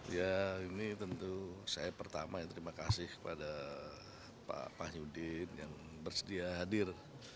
ya ini tentu saya pertama yang terima kasih kepada pak wahyudin yang bersedia hadir